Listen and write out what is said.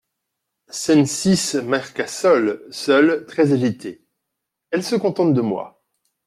Scène six Marcassol, seul, très agité. — Elle se contente de moi…